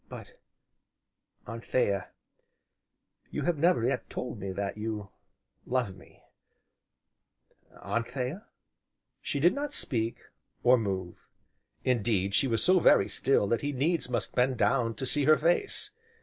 But Anthea, you have never yet told me that you love me Anthea?" She did not speak, or move, indeed, she was so very still that he needs must bend down to see her face.